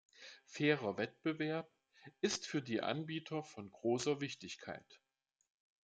Fairer Wettbewerb ist für die Anbieter von großer Wichtigkeit.